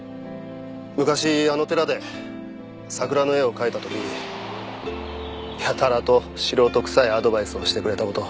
昔あの寺で桜の絵を描いた時やたらと素人臭いアドバイスをしてくれた事。